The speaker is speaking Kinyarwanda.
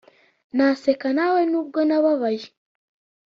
naseka nawe nubwo nababaye,